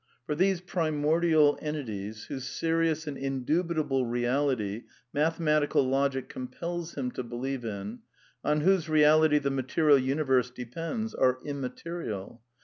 For these primordial entities, whose serious and in dubitable reality mathematical logic compels him to be lieve in, on whose reality the material universe depends, are immaterial.